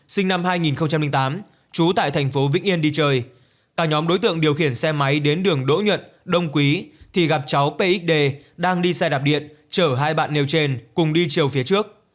sinh năm hai nghìn tám trú tại thành phố vĩnh yên đi chơi cả nhóm đối tượng điều khiển xe máy đến đường đỗ nhuận đông quý thì gặp cháu pxd đang đi xe đạp điện chở hai bạn nêu trên cùng đi chiều phía trước